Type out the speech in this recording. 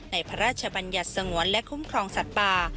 พระราชบัญญัติสงวนและคุ้มครองสัตว์ป่า